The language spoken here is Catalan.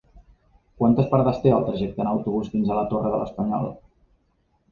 Quantes parades té el trajecte en autobús fins a la Torre de l'Espanyol?